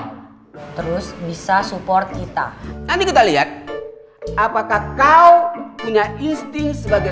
biasa bisa saja general terus bisa support kita nanti kita lihat apakah kau punya insting sebagai